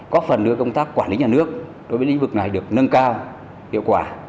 có phần đưa công tác quản lý nhà nước đối với lĩnh vực này được nâng cao hiệu quả